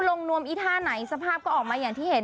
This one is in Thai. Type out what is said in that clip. นวมอีท่าไหนสภาพก็ออกมาอย่างที่เห็น